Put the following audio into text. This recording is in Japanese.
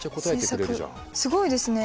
すごいですね。